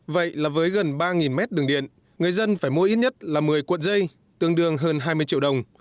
vậy là với gần ba mét đường điện người dân phải mua ít nhất là một mươi cuộn dây tương đương hơn hai mươi triệu đồng